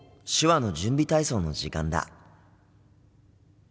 手話の準備体操の時間だ。